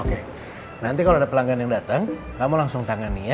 oke nanti kalau ada pelanggan yang datang kamu langsung tangani ya